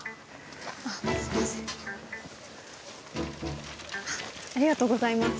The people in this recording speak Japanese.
ありがとうございます。